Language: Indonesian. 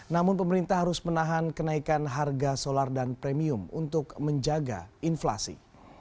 namun pemerintah harus menahan kenaikan harga solar dan premium untuk menjaga inflasi